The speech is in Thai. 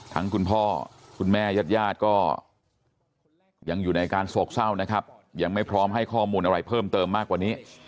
คุณพ่อคุณแม่ญาติญาติก็ยังอยู่ในอาการโศกเศร้านะครับยังไม่พร้อมให้ข้อมูลอะไรเพิ่มเติมมากกว่านี้